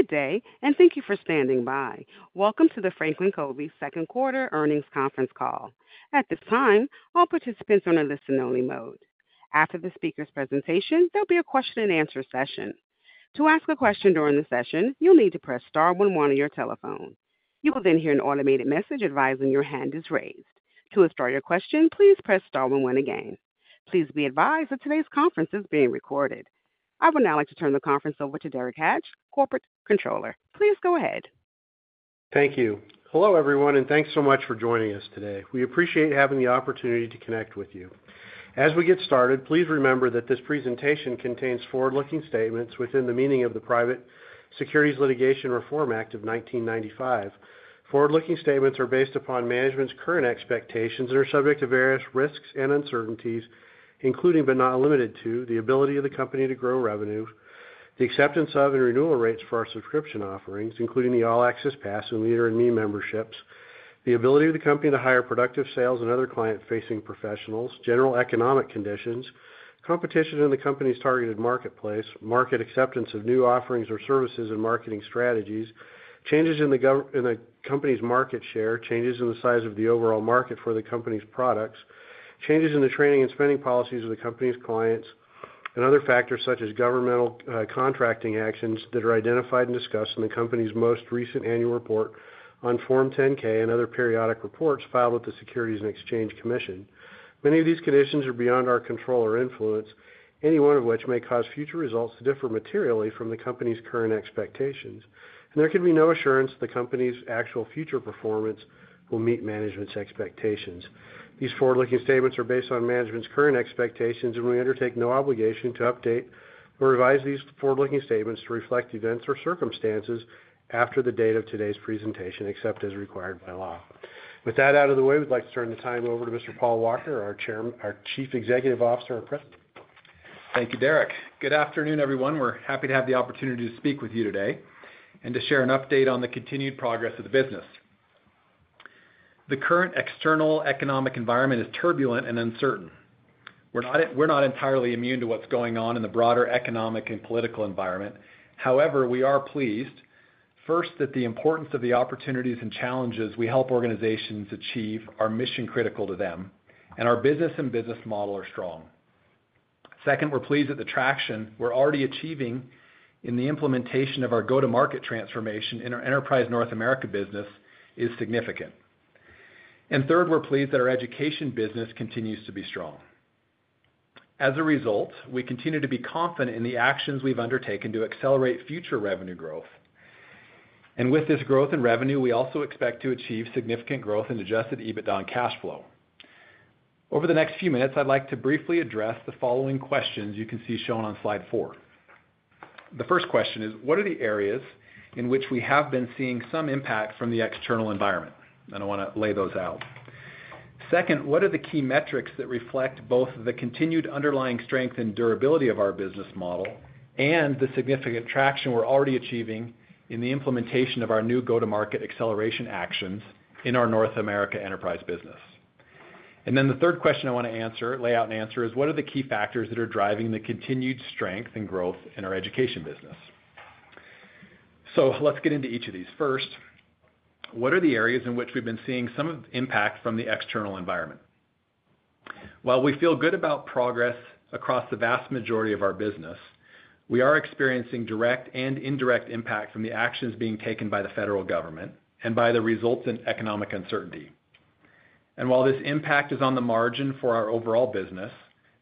Good day, and thank you for standing by. Welcome to the Franklin Covey Second Quarter Earnings Conference Call. At this time, all participants are on a listen-only mode. After the speaker's presentation, there'll be a question-and-answer session. To ask a question during the session, you'll need to press star one one on your telephone. You will then hear an automated message advising your hand is raised. To start your question, please press star one one again. Please be advised that today's conference is being recorded. I would now like to turn the conference over to Derek Hatch, Corporate Controller. Please go ahead. Thank you. Hello, everyone, and thanks so much for joining us today. We appreciate having the opportunity to connect with you. As we get started, please remember that this presentation contains forward-looking statements within the meaning of the Private Securities Litigation Reform Act of 1995. Forward-looking statements are based upon management's current expectations and are subject to various risks and uncertainties, including but not limited to the ability of the company to grow revenue, the acceptance of and renewal rates for our subscription offerings, including the All-Access Pass and Leader in Me memberships, the ability of the company to hire productive sales and other client-facing professionals, general economic conditions, competition in the company's targeted marketplace, market acceptance of new offerings or services and marketing strategies, changes in the company's market share, changes in the size of the overall market for the company's products, changes in the training and spending policies of the company's clients, and other factors such as governmental contracting actions that are identified and discussed in the company's most recent annual report on Form 10-K and other periodic reports filed with the Securities and Exchange Commission. Many of these conditions are beyond our control or influence, any one of which may cause future results to differ materially from the company's current expectations. There can be no assurance the company's actual future performance will meet management's expectations. These forward-looking statements are based on management's current expectations, and we undertake no obligation to update or revise these forward-looking statements to reflect events or circumstances after the date of today's presentation, except as required by law. With that out of the way, we'd like to turn the time over to Mr Paul Walker, our Chief Executive Officer. Thank you, Derek. Good afternoon, everyone. We're happy to have the opportunity to speak with you today and to share an update on the continued progress of the business. The current external economic environment is turbulent and uncertain. We're not entirely immune to what's going on in the broader economic and political environment. However, we are pleased, first, that the importance of the opportunities and challenges we help organizations achieve are mission-critical to them, and our business and business model are strong. Second, we're pleased that the traction we're already achieving in the implementation of our go-to-market transformation in our enterprise North America business is significant. Third, we're pleased that our education business continues to be strong. As a result, we continue to be confident in the actions we've undertaken to accelerate future revenue growth. With this growth in revenue, we also expect to achieve significant growth in adjusted EBITDA and cash flow. Over the next few minutes, I'd like to briefly address the following questions you can see shown on slide four. The first question is, what are the areas in which we have been seeing some impact from the external environment? I want to lay those out. Second, what are the key metrics that reflect both the continued underlying strength and durability of our business model and the significant traction we're already achieving in the implementation of our new go-to-market acceleration actions in our North America enterprise business? The third question I want to lay out and answer is, what are the key factors that are driving the continued strength and growth in our education business? Let's get into each of these. First, what are the areas in which we've been seeing some impact from the external environment? While we feel good about progress across the vast majority of our business, we are experiencing direct and indirect impact from the actions being taken by the federal government and by the resultant economic uncertainty. While this impact is on the margin for our overall business,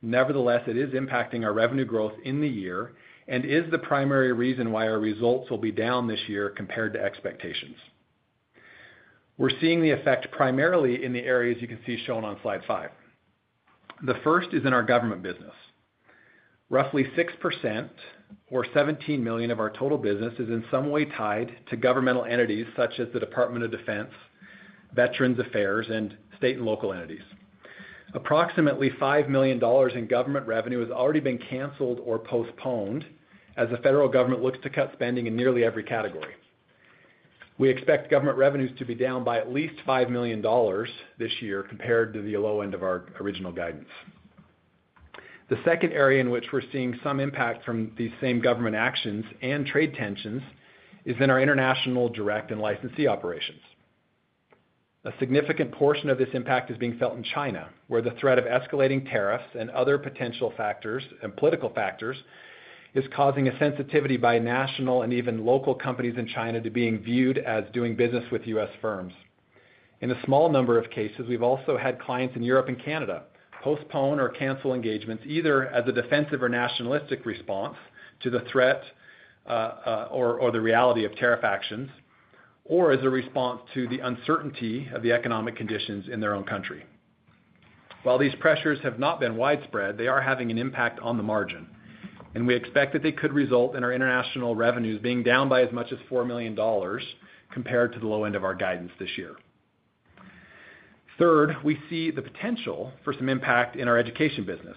nevertheless, it is impacting our revenue growth in the year and is the primary reason why our results will be down this year compared to expectations. We're seeing the effect primarily in the areas you can see shown on slide five. The first is in our government business. Roughly 6% or $17 million of our total business is in some way tied to governmental entities such as the Department of Defense, Veterans Affairs, and state and local entities. Approximately $5 million in government revenue has already been canceled or postponed as the federal government looks to cut spending in nearly every category. We expect government revenues to be down by at least $5 million this year compared to the low end of our original guidance. The second area in which we're seeing some impact from these same government actions and trade tensions is in our international direct and licensee operations. A significant portion of this impact is being felt in China, where the threat of escalating tariffs and other potential political factors is causing a sensitivity by national and even local companies in China to being viewed as doing business with U.S. firms. In a small number of cases, we've also had clients in Europe and Canada postpone or cancel engagements either as a defensive or nationalistic response to the threat or the reality of tariff actions or as a response to the uncertainty of the economic conditions in their own country. While these pressures have not been widespread, they are having an impact on the margin. We expect that they could result in our international revenues being down by as much as $4 million compared to the low end of our guidance this year. Third, we see the potential for some impact in our education business.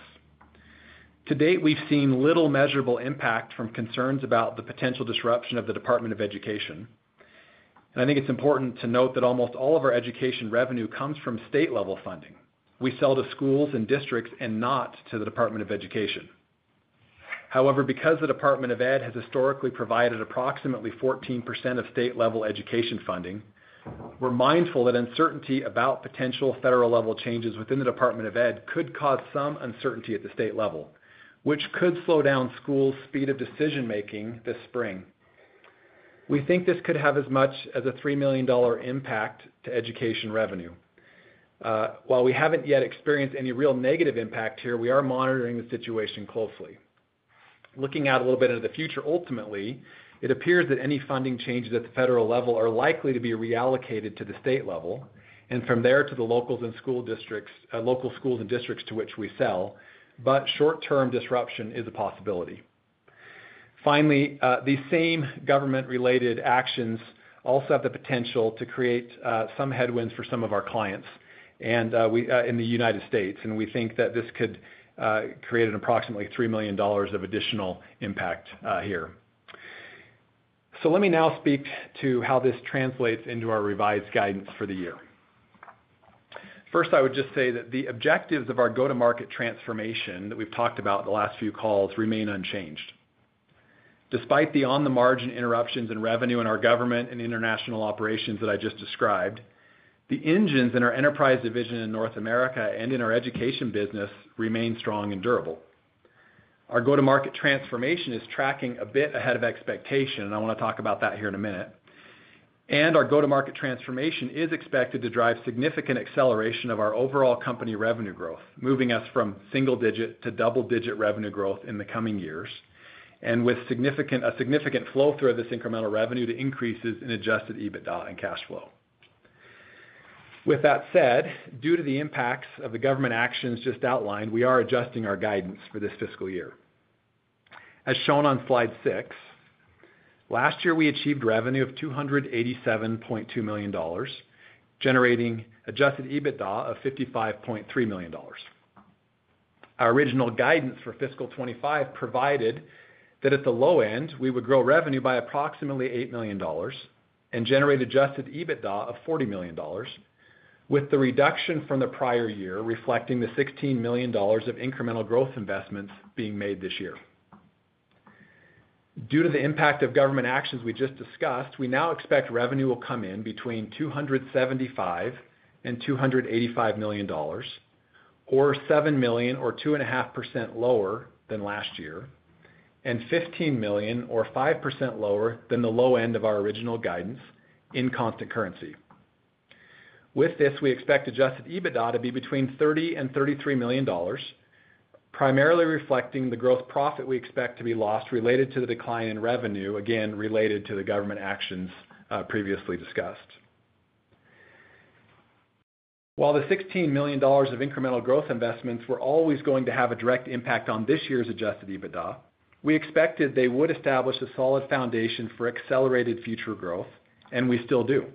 To date, we've seen little measurable impact from concerns about the potential disruption of the Department of Education. I think it's important to note that almost all of our education revenue comes from state-level funding. We sell to schools and districts and not to the Department of Education. However, because the Department of Ed has historically provided approximately 14% of state-level education funding, we're mindful that uncertainty about potential federal-level changes within the Department of Ed could cause some uncertainty at the state level, which could slow down schools' speed of decision-making this spring. We think this could have as much as a $3 million impact to education revenue. While we haven't yet experienced any real negative impact here, we are monitoring the situation closely. Looking out a little bit into the future, ultimately, it appears that any funding changes at the federal level are likely to be reallocated to the state level and from there to the local schools and districts to which we sell, but short-term disruption is a possibility. Finally, these same government-related actions also have the potential to create some headwinds for some of our clients in the United States, and we think that this could create an approximately $3 million of additional impact here. Let me now speak to how this translates into our revised guidance for the year. First, I would just say that the objectives of our go-to-market transformation that we've talked about in the last few calls remain unchanged. Despite the on-the-margin interruptions in revenue in our government and international operations that I just described, the engines in our enterprise division in North America and in our education business remain strong and durable. Our go-to-market transformation is tracking a bit ahead of expectation, and I want to talk about that here in a minute. Our go-to-market transformation is expected to drive significant acceleration of our overall company revenue growth, moving us from single-digit to double-digit revenue growth in the coming years, and with a significant flow through of this incremental revenue to increases in adjusted EBITDA and cash flow. With that said, due to the impacts of the government actions just outlined, we are adjusting our guidance for this fiscal year. As shown on slide six, last year, we achieved revenue of $287.2 million, generating adjusted EBITDA of $55.3 million. Our original guidance for fiscal 2025 provided that at the low end, we would grow revenue by approximately $8 million and generate adjusted EBITDA of $40 million, with the reduction from the prior year reflecting the $16 million of incremental growth investments being made this year. Due to the impact of government actions we just discussed, we now expect revenue will come in between $275 million and $285 million, or $7 million or 2.5% lower than last year, and $15 million or 5% lower than the low end of our original guidance in constant currency. With this, we expect adjusted EBITDA to be between $30 million and $33 million, primarily reflecting the gross profit we expect to be lost related to the decline in revenue, again, related to the government actions previously discussed. While the $16 million of incremental growth investments were always going to have a direct impact on this year's adjusted EBITDA, we expected they would establish a solid foundation for accelerated future growth, and we still do.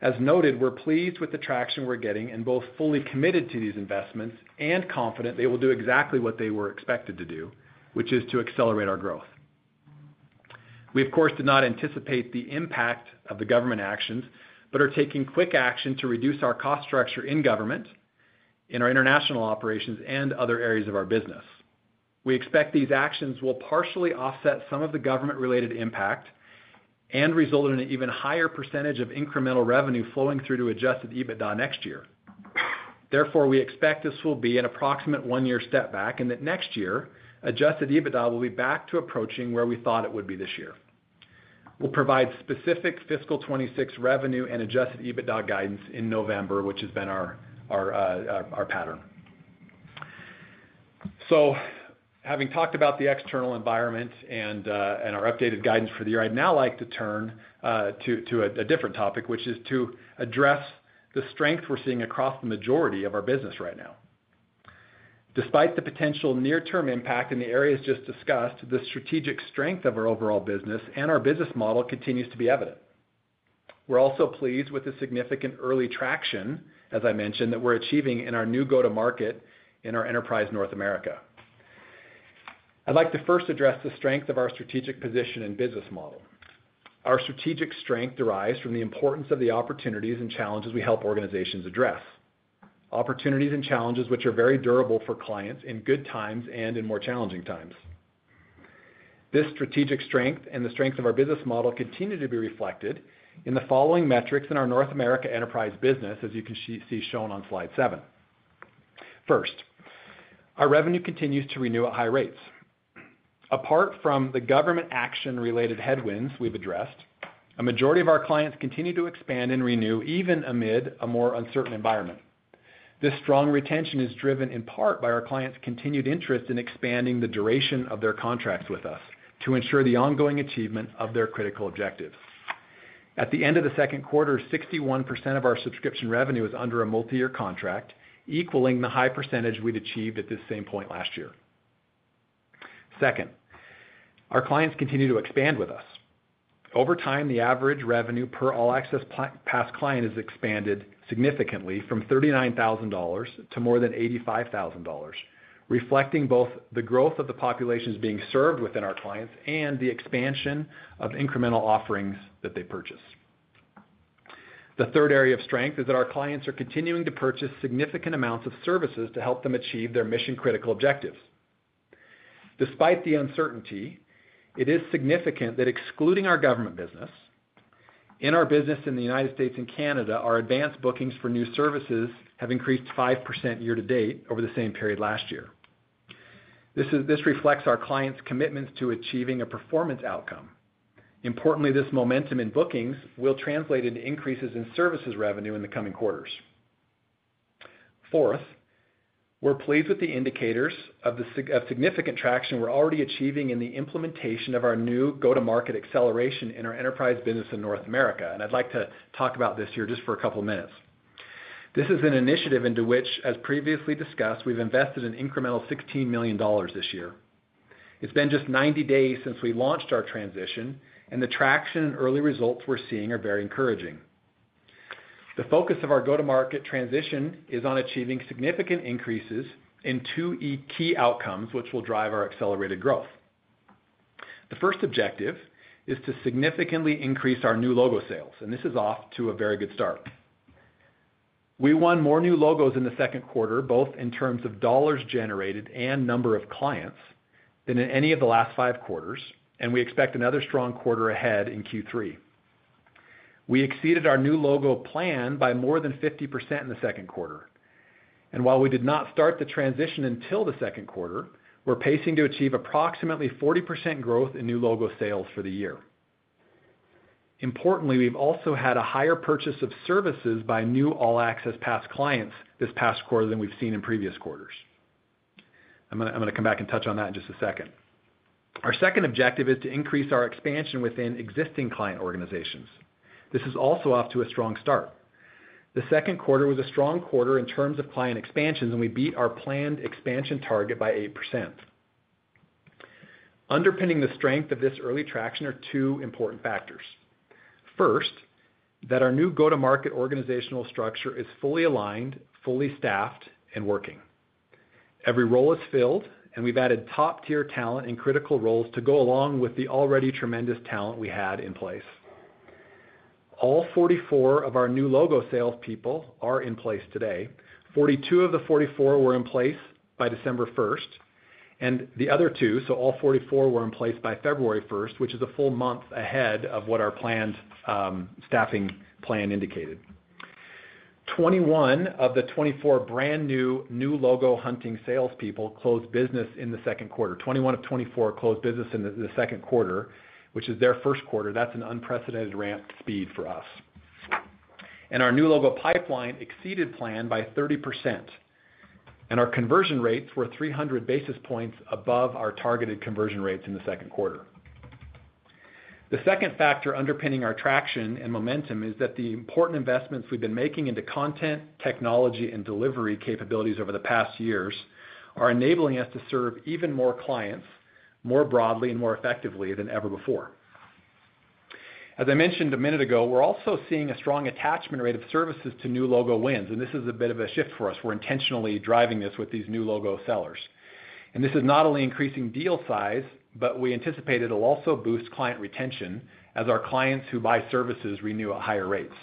As noted, we're pleased with the traction we're getting and both fully committed to these investments and confident they will do exactly what they were expected to do, which is to accelerate our growth. We, of course, did not anticipate the impact of the government actions but are taking quick action to reduce our cost structure in government, in our international operations, and other areas of our business. We expect these actions will partially offset some of the government-related impact and result in an even higher percentage of incremental revenue flowing through to adjusted EBITDA next year. Therefore, we expect this will be an approximate one-year step back and that next year, adjusted EBITDA will be back to approaching where we thought it would be this year. We'll provide specific fiscal 2026 revenue and adjusted EBITDA guidance in November, which has been our pattern. Having talked about the external environment and our updated guidance for the year, I'd now like to turn to a different topic, which is to address the strength we're seeing across the majority of our business right now. Despite the potential near-term impact in the areas just discussed, the strategic strength of our overall business and our business model continues to be evident. We're also pleased with the significant early traction, as I mentioned, that we're achieving in our new go-to-market in our enterprise North America. I'd like to first address the strength of our strategic position and business model. Our strategic strength derives from the importance of the opportunities and challenges we help organizations address. Opportunities and challenges which are very durable for clients in good times and in more challenging times. This strategic strength and the strength of our business model continue to be reflected in the following metrics in our North America enterprise business, as you can see shown on slide seven. First, our revenue continues to renew at high rates. Apart from the government action-related headwinds we've addressed, a majority of our clients continue to expand and renew even amid a more uncertain environment. This strong retention is driven in part by our clients' continued interest in expanding the duration of their contracts with us to ensure the ongoing achievement of their critical objectives. At the end of the second quarter, 61% of our subscription revenue is under a multi-year contract, equaling the high percentage we'd achieved at this same point last year. Second, our clients continue to expand with us. Over time, the average revenue per All-Access Pass client has expanded significantly from $39,000 to more than $85,000, reflecting both the growth of the populations being served within our clients and the expansion of incremental offerings that they purchase. The third area of strength is that our clients are continuing to purchase significant amounts of services to help them achieve their mission-critical objectives. Despite the uncertainty, it is significant that excluding our government business, in our business in the U.S. and Canada, our advanced bookings for new services have increased 5% year-to-date over the same period last year. This reflects our clients' commitments to achieving a performance outcome. Importantly, this momentum in bookings will translate into increases in services revenue in the coming quarters. Fourth, we're pleased with the indicators of significant traction we're already achieving in the implementation of our new go-to-market acceleration in our enterprise business in North America. I'd like to talk about this here just for a couple of minutes. This is an initiative into which, as previously discussed, we've invested an incremental $16 million this year. It's been just 90 days since we launched our transition, and the traction and early results we're seeing are very encouraging. The focus of our go-to-market transition is on achieving significant increases in two key outcomes which will drive our accelerated growth. The first objective is to significantly increase our new logo sales, and this is off to a very good start. We won more new logos in the second quarter, both in terms of dollars generated and number of clients than in any of the last five quarters, and we expect another strong quarter ahead in Q3. We exceeded our new logo plan by more than 50% in the second quarter. While we did not start the transition until the second quarter, we're pacing to achieve approximately 40% growth in new logo sales for the year. Importantly, we've also had a higher purchase of services by new All-Access Pass clients this past quarter than we've seen in previous quarters. I'm going to come back and touch on that in just a second. Our second objective is to increase our expansion within existing client organizations. This is also off to a strong start. The second quarter was a strong quarter in terms of client expansions, and we beat our planned expansion target by 8%. Underpinning the strength of this early traction are two important factors. First, that our new go-to-market organizational structure is fully aligned, fully staffed, and working. Every role is filled, and we've added top-tier talent and critical roles to go along with the already tremendous talent we had in place. All 44 of our new logo salespeople are in place today. Forty-two of the 44 were in place by December 1, and the other two, so all 44, were in place by February 1, which is a full month ahead of what our planned staffing plan indicated. Twenty-one of the 24 brand-new new logo hunting salespeople closed business in the second quarter. Twenty-one of 24 closed business in the second quarter, which is their first quarter. That's an unprecedented ramp speed for us. Our new logo pipeline exceeded plan by 30%, and our conversion rates were 300 basis points above our targeted conversion rates in the second quarter. The second factor underpinning our traction and momentum is that the important investments we've been making into content, technology, and delivery capabilities over the past years are enabling us to serve even more clients more broadly and more effectively than ever before. As I mentioned a minute ago, we're also seeing a strong attachment rate of services to new logo wins, and this is a bit of a shift for us. We're intentionally driving this with these new logo sellers. This is not only increasing deal size, but we anticipate it'll also boost client retention as our clients who buy services renew at higher rates.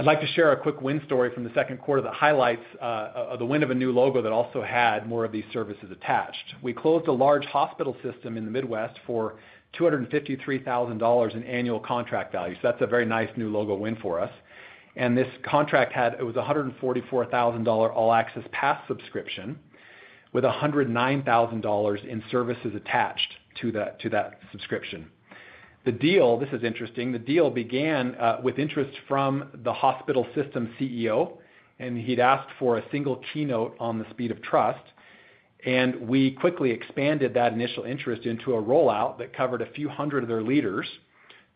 I'd like to share a quick win story from the second quarter that highlights the win of a new logo that also had more of these services attached. We closed a large hospital system in the Midwest for $253,000 in annual contract value. That's a very nice new logo win for us. This contract had a $144,000 All-Access Pass subscription with $109,000 in services attached to that subscription. This is interesting. The deal began with interest from the hospital system CEO, and he'd asked for a single keynote on the Speed of Trust. We quickly expanded that initial interest into a rollout that covered a few hundred of their leaders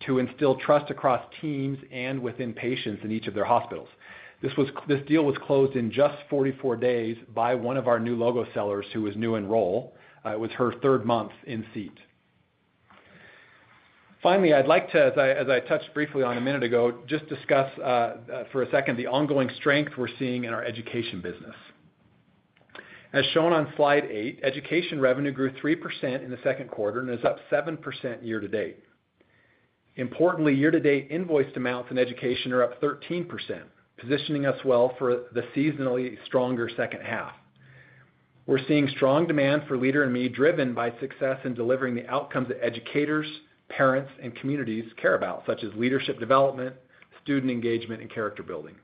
to instill trust across teams and within patients in each of their hospitals. This deal was closed in just 44 days by one of our new logo sellers who was new in role. It was her third month in seat. Finally, I'd like to, as I touched briefly on a minute ago, just discuss for a second the ongoing strength we're seeing in our education business. As shown on slide eight, education revenue grew 3% in the second quarter and is up 7% year-to-date. Importantly, year-to-date invoiced amounts in education are up 13%, positioning us well for the seasonally stronger second half. We're seeing strong demand for Leader in Me driven by success in delivering the outcomes that educators, parents, and communities care about, such as leadership development, student engagement, and character building.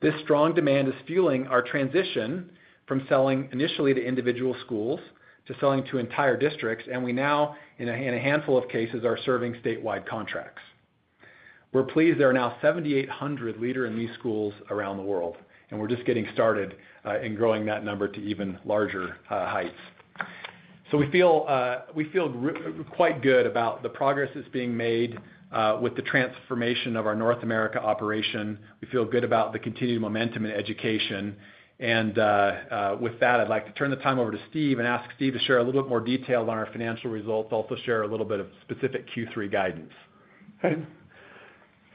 This strong demand is fueling our transition from selling initially to individual schools to selling to entire districts, and we now, in a handful of cases, are serving statewide contracts. We're pleased there are now 7,800 Leader in Me schools around the world, and we're just getting started in growing that number to even larger heights. We feel quite good about the progress that's being made with the transformation of our North America operation. We feel good about the continued momentum in education. With that, I'd like to turn the time over to Steve and ask Steve to share a little bit more detail on our financial results, also share a little bit of specific Q3 guidance.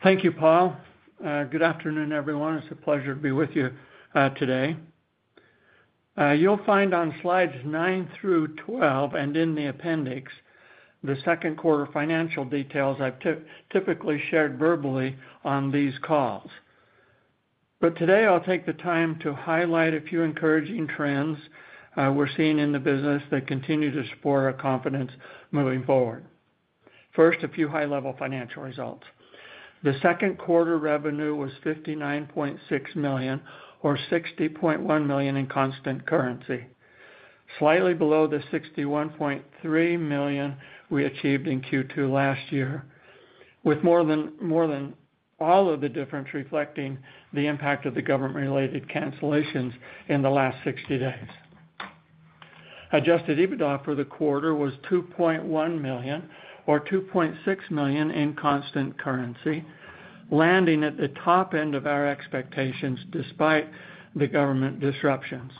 Thank you, Paul. Good afternoon, everyone. It's a pleasure to be with you today. You'll find on slides 9 through 12 and in the appendix the second quarter financial details I've typically shared verbally on these calls. Today, I'll take the time to highlight a few encouraging trends we're seeing in the business that continue to spur our confidence moving forward. First, a few high-level financial results. The second quarter revenue was $59.6 million or $60.1 million in constant currency, slightly below the $61.3 million we achieved in Q2 last year, with more than all of the difference reflecting the impact of the government-related cancellations in the last 60 days. Adjusted EBITDA for the quarter was $2.1 million or $2.6 million in constant currency, landing at the top end of our expectations despite the government disruptions.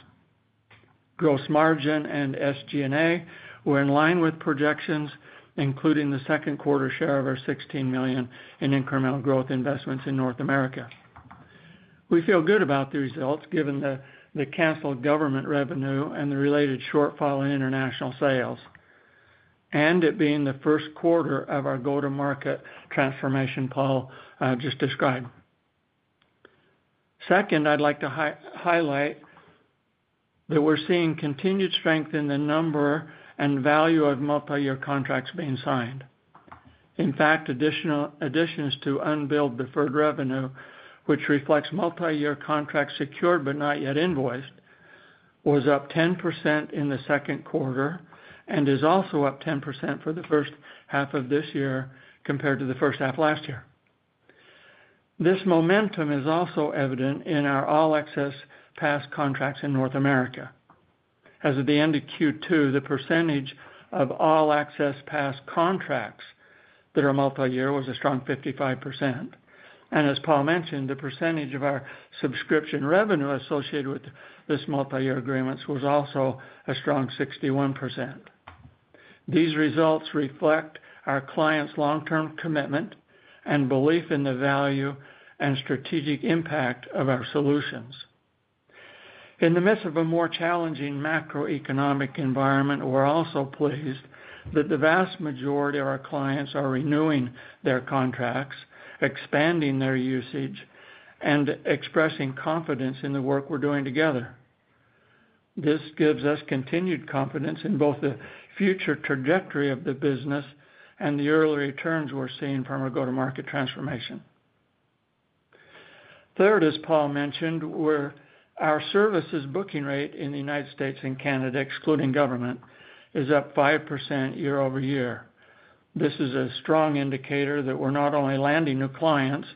Gross margin and SG&A were in line with projections, including the second quarter share of our $16 million in incremental growth investments in North America. We feel good about the results given the canceled government revenue and the related shortfall in international sales, and it being the first quarter of our go-to-market transformation Paul just described. Second, I'd like to highlight that we're seeing continued strength in the number and value of multi-year contracts being signed. In fact, additions to unbilled deferred revenue, which reflects multi-year contracts secured but not yet invoiced, was up 10% in the second quarter and is also up 10% for the first half of this year compared to the first half last year. This momentum is also evident in our All-Access Pass contracts in North America. As of the end of Q2, the percentage of All-Access Pass contracts that are multi-year was a strong 55%. As Paul mentioned, the percentage of our subscription revenue associated with these multi-year agreements was also a strong 61%. These results reflect our clients' long-term commitment and belief in the value and strategic impact of our solutions. In the midst of a more challenging macroeconomic environment, we are also pleased that the vast majority of our clients are renewing their contracts, expanding their usage, and expressing confidence in the work we are doing together. This gives us continued confidence in both the future trajectory of the business and the early returns we are seeing from our go-to-market transformation. Third, as Paul mentioned, our services booking rate in the United States and Canada, excluding government, is up 5% year-over-year. This is a strong indicator that we are not only landing new clients,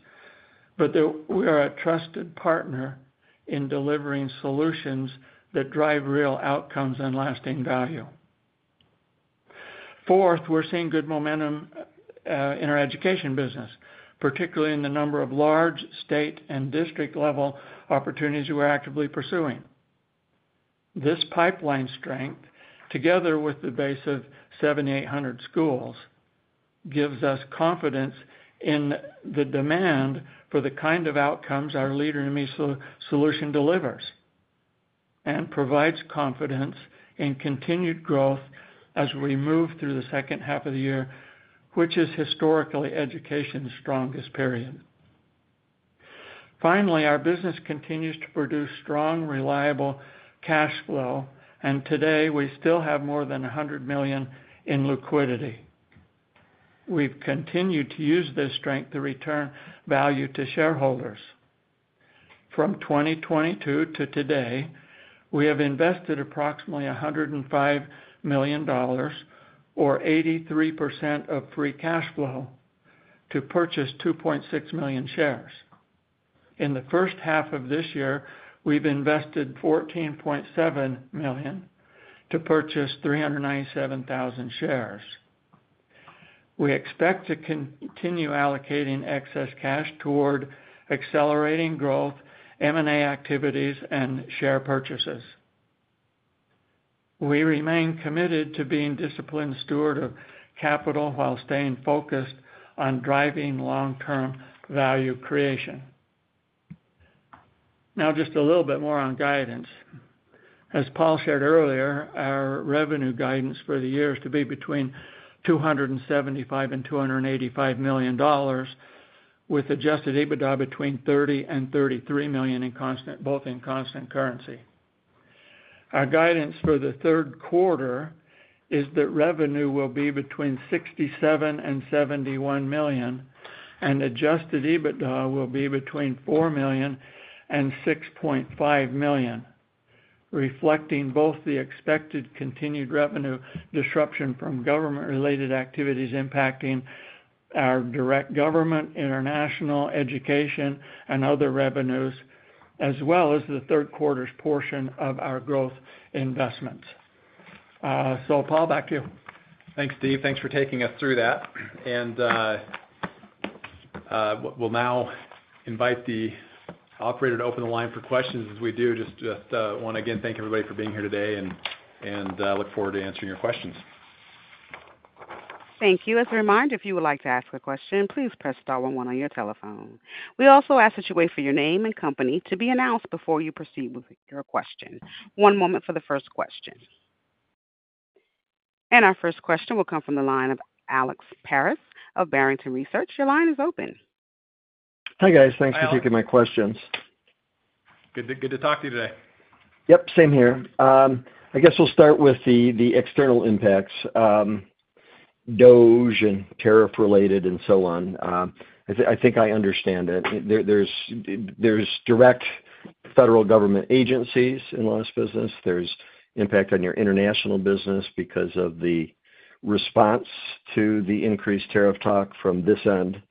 but that we are a trusted partner in delivering solutions that drive real outcomes and lasting value. Fourth, we're seeing good momentum in our education business, particularly in the number of large state and district-level opportunities we're actively pursuing. This pipeline strength, together with the base of 7,800 schools, gives us confidence in the demand for the kind of outcomes our Leader in Me solution delivers and provides confidence in continued growth as we move through the second half of the year, which is historically education's strongest period. Finally, our business continues to produce strong, reliable cash flow, and today, we still have more than $100 million in liquidity. We've continued to use this strength to return value to shareholders. From 2022 to today, we have invested approximately $105 million or 83% of free cash flow to purchase 2.6 million shares. In the first half of this year, we've invested $14.7 million to purchase 397,000 shares. We expect to continue allocating excess cash toward accelerating growth, M&A activities, and share purchases. We remain committed to being disciplined steward of capital while staying focused on driving long-term value creation. Now, just a little bit more on guidance. As Paul shared earlier, our revenue guidance for the year is to be between $275 million and $285 million, with adjusted EBITDA between $30 million and $33 million, both in constant currency. Our guidance for the third quarter is that revenue will be between $67 million and $71 million, and adjusted EBITDA will be between $4 million and $6.5 million, reflecting both the expected continued revenue disruption from government-related activities impacting our direct government, international, education, and other revenues, as well as the third quarter's portion of our growth investments. Paul, back to you. Thanks, Steve. Thanks for taking us through that. We will now invite the operator to open the line for questions. As we do, just to again thank everybody for being here today and look forward to answering your questions. Thank you. As a reminder, if you would like to ask a question, please press star one one on your telephone. We also ask that you wait for your name and company to be announced before you proceed with your question. One moment for the first question. Our first question will come from the line of Alex Paris of Barrington Research. Your line is open. Hi guys. Thanks for taking my questions. Good to talk to you today. Yep, same here. I guess we'll start with the external impacts, DOD and tariff-related and so on. I think I understand it. There's direct federal government agencies in law business. There's impact on your international business because of the response to the increased tariff talk from this end.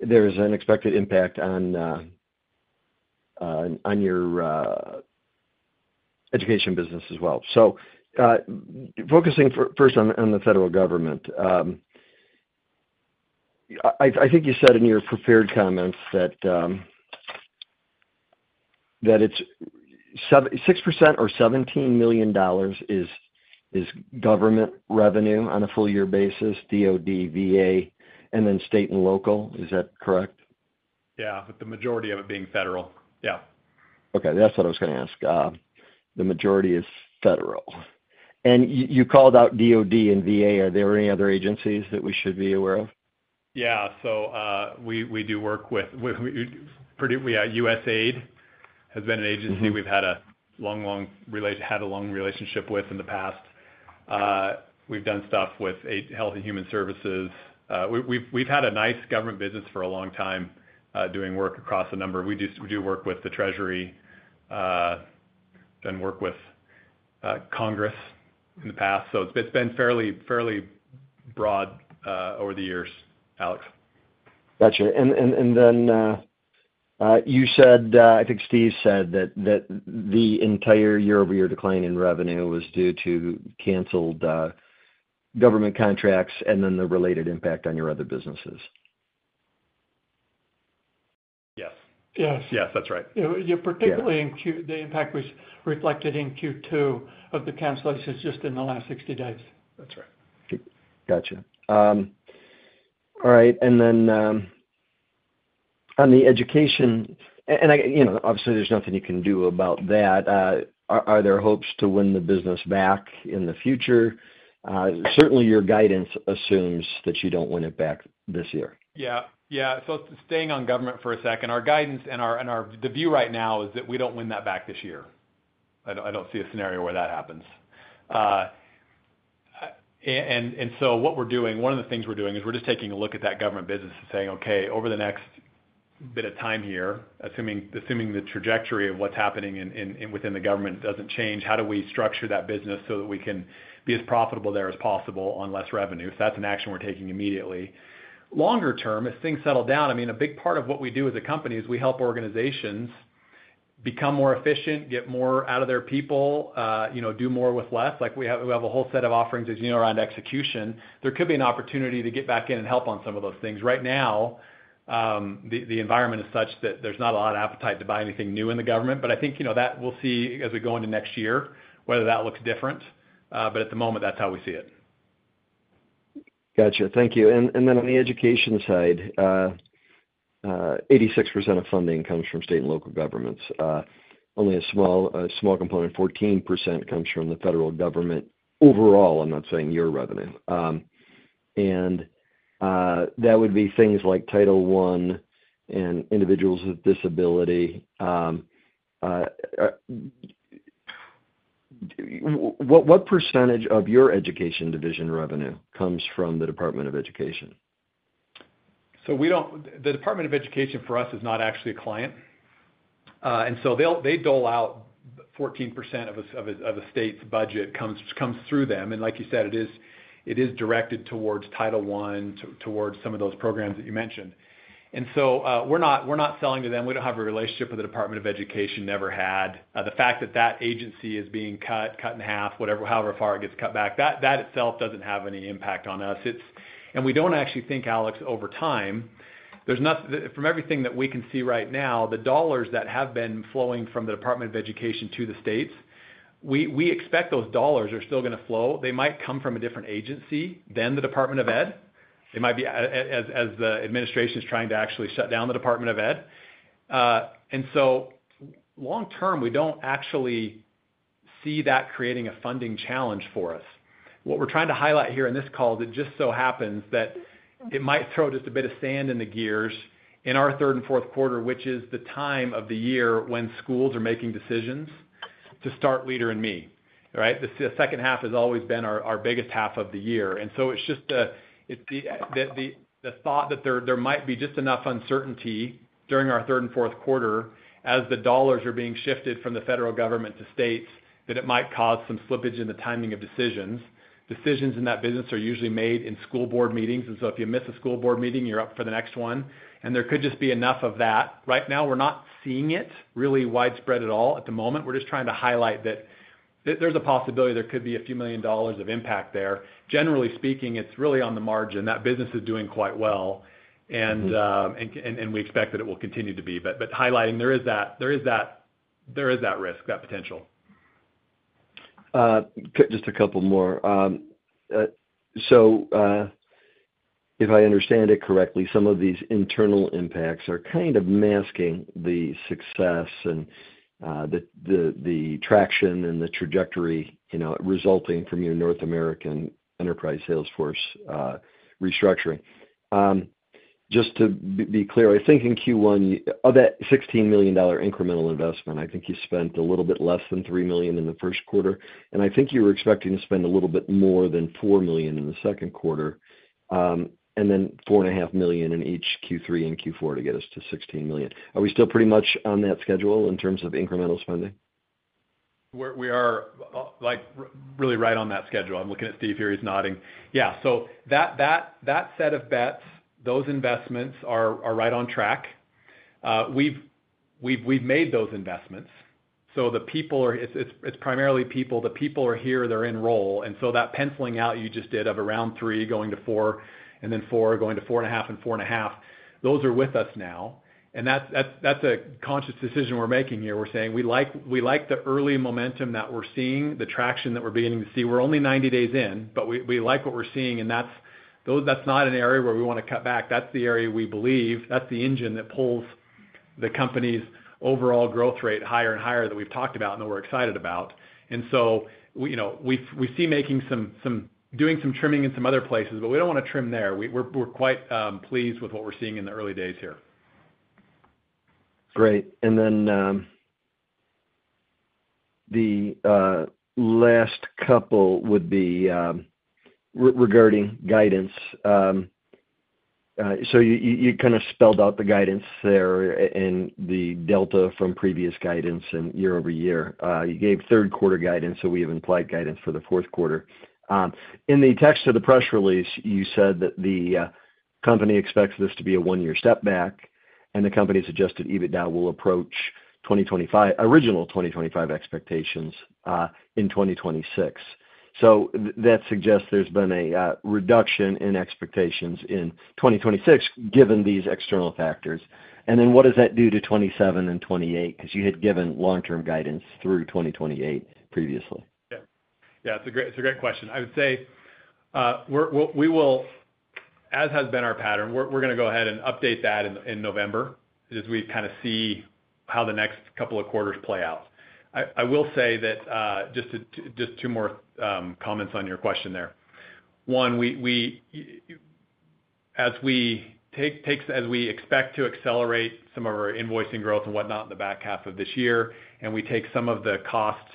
There's an expected impact on your education business as well. Focusing first on the federal government, I think you said in your prepared comments that it's 6% or $17 million is government revenue on a full-year basis, DOD, VA, and then state and local. Is that correct? Yeah, with the majority of it being federal. Yeah. Okay. That's what I was going to ask. The majority is federal. And you called out DOD and VA. Are there any other agencies that we should be aware of? Yeah. We do work with USAID, has been an agency we've had a long, long relationship with in the past. We've done stuff with Health and Human Services. We've had a nice government business for a long time doing work across a number. We do work with the Treasury, then work with Congress in the past. It's been fairly broad over the years, Alex. Gotcha. You said, I think Steve said that the entire year-over-year decline in revenue was due to canceled government contracts and then the related impact on your other businesses. Yes. Yes. Yes, that's right. Particularly the impact reflected in Q2 of the cancellations just in the last 60 days. That's right. Gotcha. All right. On the education, and obviously, there's nothing you can do about that. Are there hopes to win the business back in the future? Certainly, your guidance assumes that you do not win it back this year. Yeah. Yeah. Staying on government for a second, our guidance and the view right now is that we don't win that back this year. I don't see a scenario where that happens. What we're doing, one of the things we're doing is we're just taking a look at that government business and saying, "Okay, over the next bit of time here, assuming the trajectory of what's happening within the government doesn't change, how do we structure that business so that we can be as profitable there as possible on less revenue?" That's an action we're taking immediately. Longer term, as things settle down, I mean, a big part of what we do as a company is we help organizations become more efficient, get more out of their people, do more with less. We have a whole set of offerings, as you know, around execution. There could be an opportunity to get back in and help on some of those things. Right now, the environment is such that there's not a lot of appetite to buy anything new in the government. I think that we'll see as we go into next year whether that looks different. At the moment, that's how we see it. Gotcha. Thank you. On the education side, 86% of funding comes from state and local governments. Only a small component, 14%, comes from the federal government overall. I'm not saying your revenue. That would be things like Title I and individuals with disability. What percentage of your education division revenue comes from the Department of Education? The Department of Education for us is not actually a client. They dole out 14% of a state's budget comes through them. Like you said, it is directed towards Title I, towards some of those programs that you mentioned. We are not selling to them. We do not have a relationship with the Department of Education, never had. The fact that that agency is being cut, cut in half, however far it gets cut back, that itself does not have any impact on us. We do not actually think, Alex, over time, from everything that we can see right now, the dollars that have been flowing from the Department of Education to the states, we expect those dollars are still going to flow. They might come from a different agency than the Department of Ed. It might be as the administration is trying to actually shut down the Department of Ed. And so long term, we do not actually see that creating a funding challenge for us. What we are trying to highlight here in this call is it just so happens that it might throw just a bit of sand in the gears in our third and fourth quarter, which is the time of the year when schools are making decisions to start Leader in Me. All right? The second half has always been our biggest half of the year. It is just the thought that there might be just enough uncertainty during our third and fourth quarter as the dollars are being shifted from the federal government to states that it might cause some slippage in the timing of decisions. Decisions in that business are usually made in school board meetings. If you miss a school board meeting, you're up for the next one. There could just be enough of that. Right now, we're not seeing it really widespread at all at the moment. We're just trying to highlight that there's a possibility there could be a few million dollars of impact there. Generally speaking, it's really on the margin. That business is doing quite well. We expect that it will continue to be. Highlighting, there is that risk, that potential. Just a couple more. If I understand it correctly, some of these internal impacts are kind of masking the success and the traction and the trajectory resulting from your North American Enterprise Salesforce restructuring. Just to be clear, I think in Q1, that $16 million incremental investment, I think you spent a little bit less than $3 million in the first quarter. I think you were expecting to spend a little bit more than $4 million in the second quarter. Then $4.5 million in each Q3 and Q4 to get us to $16 million. Are we still pretty much on that schedule in terms of incremental spending? We are really right on that schedule. I'm looking at Steve here. He's nodding. Yeah. That set of bets, those investments are right on track. We've made those investments. It's primarily people. The people are here. They're in role. That penciling out you just did of around three going to four and then four going to four and a half and four and a half, those are with us now. That's a conscious decision we're making here. We're saying we like the early momentum that we're seeing, the traction that we're beginning to see. We're only 90 days in, but we like what we're seeing. That's not an area where we want to cut back. That's the area we believe. That's the engine that pulls the company's overall growth rate higher and higher that we've talked about and that we're excited about. We see making some doing some trimming in some other places, but we do not want to trim there. We are quite pleased with what we are seeing in the early days here. Great. The last couple would be regarding guidance. You kind of spelled out the guidance there and the delta from previous guidance and year-over-year. You gave third quarter guidance, so we have implied guidance for the fourth quarter. In the text of the press release, you said that the company expects this to be a one-year step back, and the company's adjusted EBITDA will approach original 2025 expectations in 2026. That suggests there's been a reduction in expectations in 2026 given these external factors. What does that do to 2027 and 2028? You had given long-term guidance through 2028 previously. Yeah. Yeah. It's a great question. I would say we will, as has been our pattern, we're going to go ahead and update that in November as we kind of see how the next couple of quarters play out. I will say that just two more comments on your question there. One, as we expect to accelerate some of our invoicing growth and whatnot in the back half of this year, and we take some of the costs,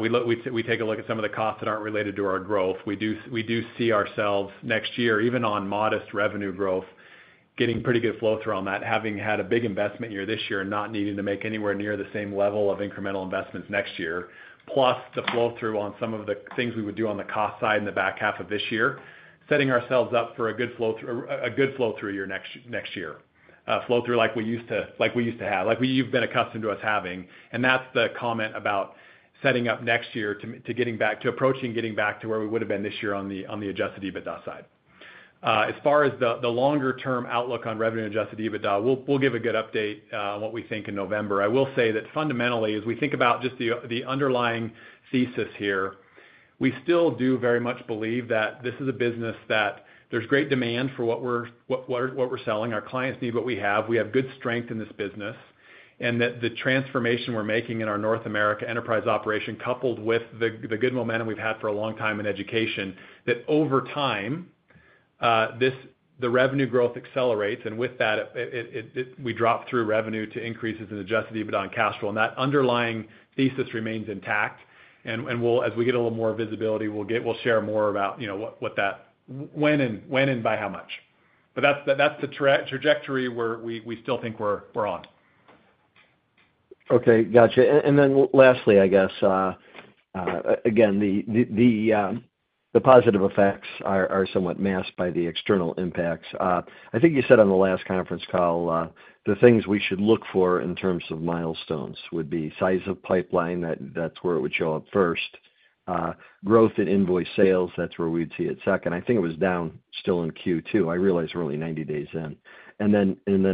we take a look at some of the costs that aren't related to our growth, we do see ourselves next year, even on modest revenue growth, getting pretty good flow through on that, having had a big investment year this year and not needing to make anywhere near the same level of incremental investments next year, plus the flow through on some of the things we would do on the cost side in the back half of this year, setting ourselves up for a good flow through year next year. Flow through like we used to have, like you've been accustomed to us having. That is the comment about setting up next year to approaching getting back to where we would have been this year on the adjusted EBITDA side. As far as the longer-term outlook on revenue and adjusted EBITDA, we will give a good update on what we think in November. I will say that fundamentally, as we think about just the underlying thesis here, we still do very much believe that this is a business that there is great demand for what we are selling. Our clients need what we have. We have good strength in this business. The transformation we are making in our North America enterprise operation, coupled with the good momentum we have had for a long time in education, means that over time, the revenue growth accelerates. With that, we drop through revenue to increases in adjusted EBITDA and cash flow. That underlying thesis remains intact. As we get a little more visibility, we'll share more about what that when and by how much. That is the trajectory where we still think we're on. Okay. Gotcha. Lastly, I guess, again, the positive effects are somewhat masked by the external impacts. I think you said on the last conference call the things we should look for in terms of milestones would be size of pipeline. That's where it would show up first. Growth in invoice sales, that's where we'd see it second. I think it was down still in Q2. I realize we're only 90 days in.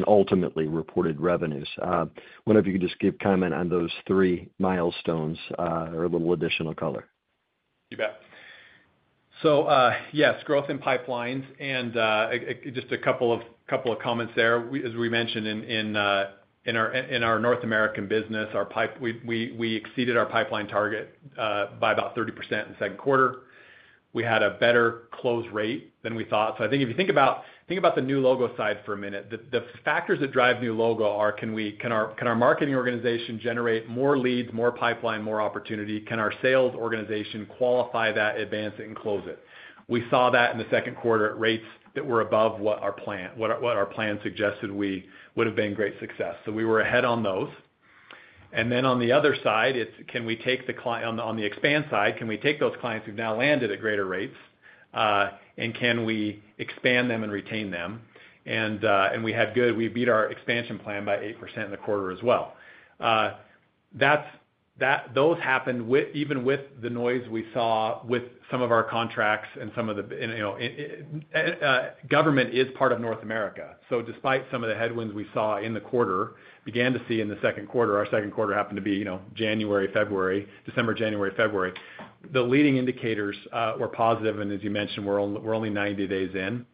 Ultimately, reported revenues. I wonder if you could just give comment on those three milestones or a little additional color. You bet. Yes, growth in pipelines. Just a couple of comments there. As we mentioned, in our North American business, we exceeded our pipeline target by about 30% in the second quarter. We had a better close rate than we thought. I think if you think about the new logo side for a minute, the factors that drive new logo are, can our marketing organization generate more leads, more pipeline, more opportunity? Can our sales organization qualify that, advance, and close it? We saw that in the second quarter at rates that were above what our plan suggested would have been great success. We were ahead on those. On the other side, can we take the client on the expand side, can we take those clients who've now landed at greater rates, and can we expand them and retain them? We had good. We beat our expansion plan by 8% in the quarter as well. Those happened even with the noise we saw with some of our contracts and some of the government as part of North America. Despite some of the headwinds we saw in the quarter, began to see in the second quarter, our second quarter happened to be December, January, February, the leading indicators were positive. As you mentioned, we're only 90 days in.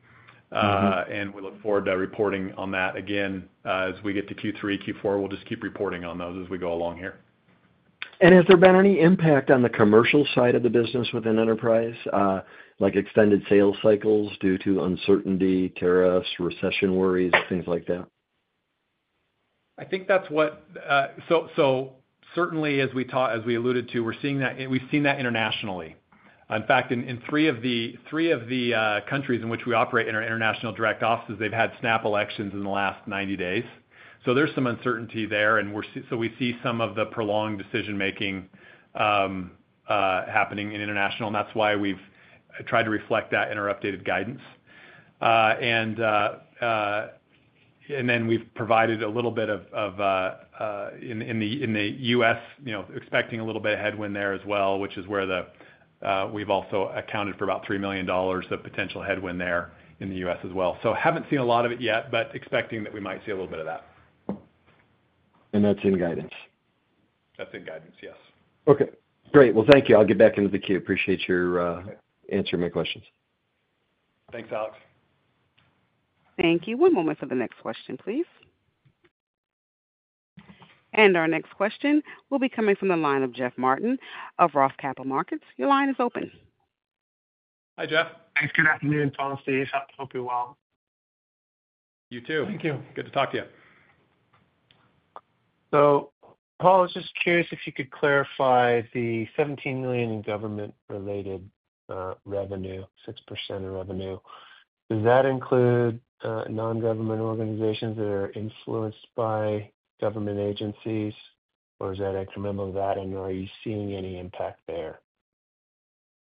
We look forward to reporting on that. Again, as we get to Q3, Q4, we'll just keep reporting on those as we go along here. Has there been any impact on the commercial side of the business within enterprise, like extended sales cycles due to uncertainty, tariffs, recession worries, things like that? I think that's what so certainly, as we alluded to, we're seeing that internationally. In fact, in three of the countries in which we operate in our international direct offices, they've had snap elections in the last 90 days. There is some uncertainty there. We see some of the prolonged decision-making happening in international. That is why we've tried to reflect that in our updated guidance. We've provided a little bit of in the U.S., expecting a little bit of headwind there as well, which is where we've also accounted for about $3 million of potential headwind there in the U.S. as well. Have not seen a lot of it yet, but expecting that we might see a little bit of that. That is in guidance. That's in guidance, yes. Okay. Great. Thank you. I'll get back into the queue. Appreciate your answering my questions. Thanks, Alex. Thank you. One moment for the next question, please. Our next question will be coming from the line of Jeff Martin of Roth Capital Markets. Your line is open. Hi, Jeff. Thanks. Good afternoon, Paul and Steve. Hope you're well. You too. Thank you. Good to talk to you. Paul, I was just curious if you could clarify the $17 million in government-related revenue, 6% of revenue. Does that include nongovernmental organizations that are influenced by government agencies, or is that incremental to that? Are you seeing any impact there?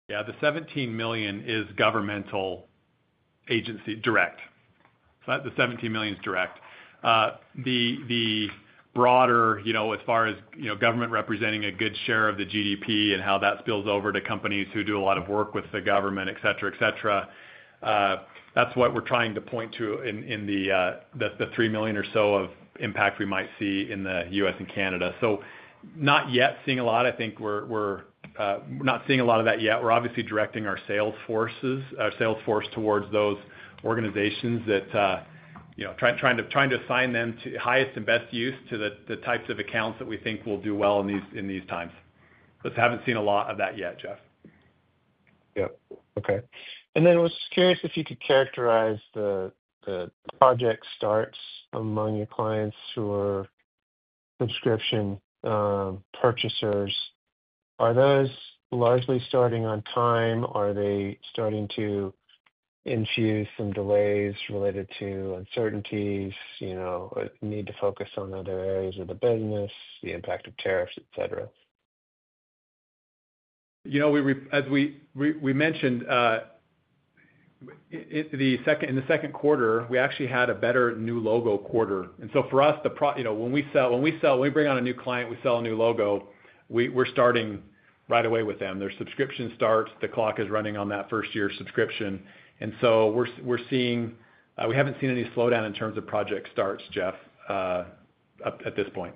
Yeah. The $17 million is governmental agency direct. The $17 million is direct. The broader, as far as government representing a good share of the GDP and how that spills over to companies who do a lot of work with the government, etc., etc., that's what we're trying to point to in the $3 million or so of impact we might see in the U.S. and Canada. Not yet seeing a lot. I think we're not seeing a lot of that yet. We're obviously directing our salesforce towards those organizations, trying to assign them to highest and best use to the types of accounts that we think will do well in these times. Haven't seen a lot of that yet, Jeff. Yeah. Okay. I was curious if you could characterize the project starts among your clients who are subscription purchasers. Are those largely starting on time? Are they starting to infuse some delays related to uncertainties, need to focus on other areas of the business, the impact of tariffs, etc.? As we mentioned, in the second quarter, we actually had a better new logo quarter. For us, when we sell, when we bring on a new client, we sell a new logo, we're starting right away with them. Their subscription starts, the clock is running on that first-year subscription. We are seeing we have not seen any slowdown in terms of project starts, Jeff, at this point.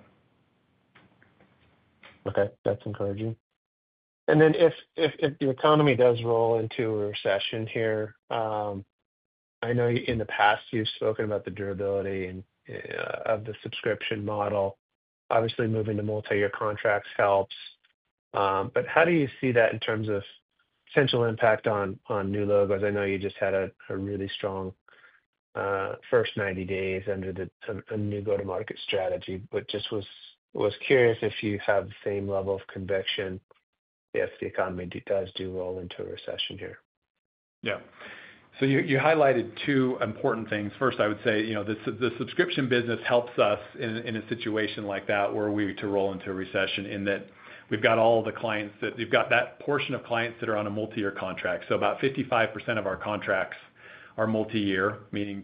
Okay. That's encouraging. If the economy does roll into a recession here, I know in the past you've spoken about the durability of the subscription model. Obviously, moving to multi-year contracts helps. How do you see that in terms of potential impact on new logos? I know you just had a really strong first 90 days under a new go-to-market strategy, but just was curious if you have the same level of conviction if the economy does do roll into a recession here. Yeah. You highlighted two important things. First, I would say the subscription business helps us in a situation like that where we need to roll into a recession in that we have all the clients that we have that portion of clients that are on a multi-year contract. About 55% of our contracts are multi-year, meaning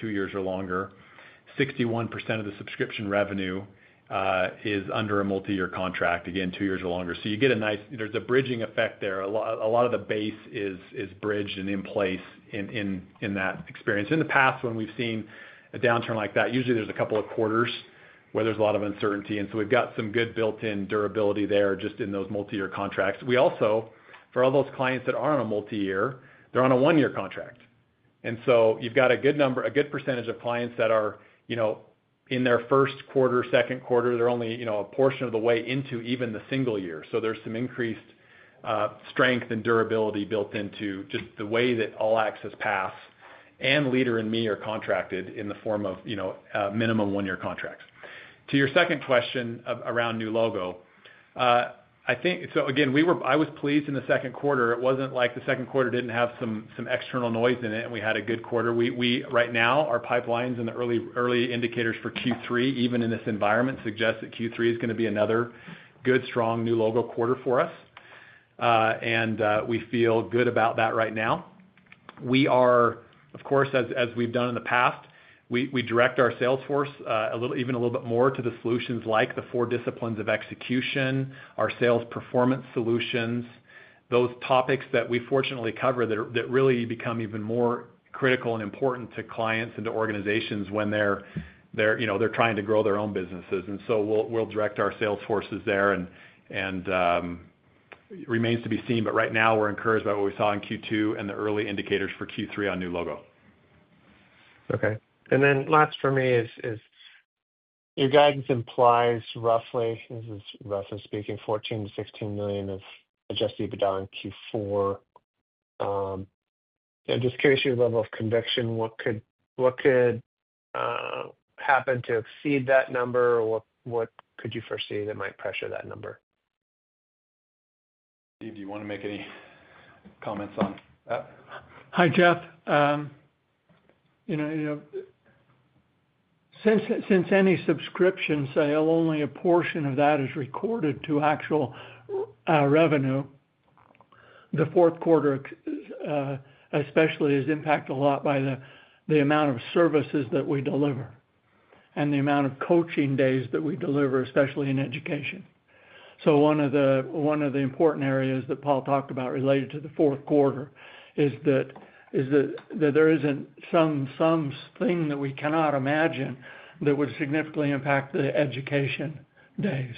two years or longer. 61% of the subscription revenue is under a multi-year contract, again, two years or longer. You get a nice, there is a bridging effect there. A lot of the base is bridged and in place in that experience. In the past, when we have seen a downturn like that, usually there are a couple of quarters where there is a lot of uncertainty. We have some good built-in durability there just in those multi-year contracts. We also, for all those clients that are on a multi-year, they're on a one-year contract. And so you've got a good percentage of clients that are in their first quarter, second quarter. They're only a portion of the way into even the single year. So there's some increased strength and durability built into just the way that All-Access Pass and Leader in Me are contracted in the form of minimum one-year contracts. To your second question around new logo, I think so again, I was pleased in the second quarter. It wasn't like the second quarter didn't have some external noise in it, and we had a good quarter. Right now, our pipelines and the early indicators for Q3, even in this environment, suggest that Q3 is going to be another good, strong new logo quarter for us. And we feel good about that right now. We are, of course, as we've done in the past, we direct our salesforce even a little bit more to the solutions like the Four Disciplines of Execution, our Sales Performance Solutions, those topics that we fortunately cover that really become even more critical and important to clients and to organizations when they're trying to grow their own businesses. We will direct our salesforces there. It remains to be seen. Right now, we're encouraged by what we saw in Q2 and the early indicators for Q3 on new logo. Okay. Last for me is your guidance implies roughly, this is roughly speaking, $14 million-$16 million of adjusted EBITDA on Q4. I'm just curious your level of conviction. What could happen to exceed that number? What could you foresee that might pressure that number? Steve, do you want to make any comments on that? Hi, Jeff. Since any subscription sale, only a portion of that is recorded to actual revenue, the fourth quarter especially is impacted a lot by the amount of services that we deliver and the amount of coaching days that we deliver, especially in education. One of the important areas that Paul talked about related to the fourth quarter is that there is not something that we cannot imagine that would significantly impact the education days.